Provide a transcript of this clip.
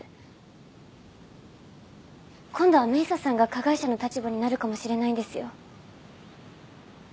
今度は明紗さんが加害者の立場になるかもしれないんですよ？